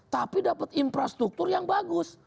tapi dapat infrastruktur yang bagus